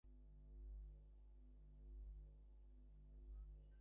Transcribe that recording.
ধর্মগ্রন্থের একই বাক্য হইতে এইসব বিভিন্ন অর্থ বাহির করিতে হইবে।